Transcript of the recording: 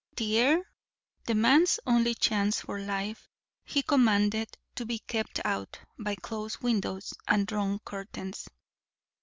The air—the man's only chance for life—he commanded to be kept out by closed windows and drawn curtains.